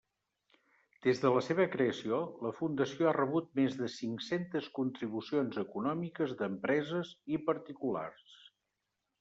Des de la seva creació, la fundació ha rebut més de cinc-centes contribucions econòmiques d'empreses i particulars.